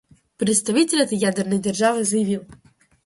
Представитель этой ядерной державы заявил: